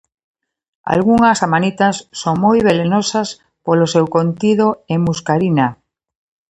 Algunhas amanitas son moi velenosas polo seu contido en muscarina.